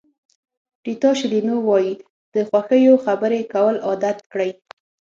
ریتا شیلینو وایي د خوښیو خبرې کول عادت کړئ.